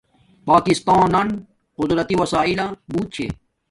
پاکستانان قزرتی وسیلہ بوت چھے